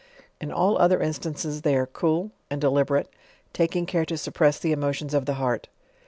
In all other instances they are cool, and delib erate, taking care to suppress the emotions of the heart.